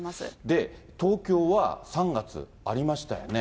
で、東京は３月、ありましたよね。